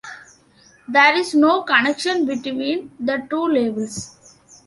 There is no connection between the two labels.